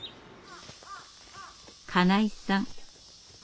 金井さん。